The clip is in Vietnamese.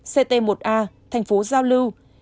ct một a tp giao lưu